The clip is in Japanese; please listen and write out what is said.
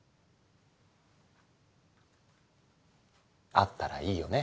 あったらいいよね。